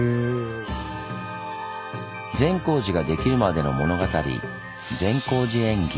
善光寺ができるまでの物語